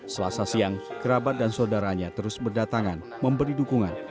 selasa siang kerabat dan saudaranya terus berdatangan memberi dukungan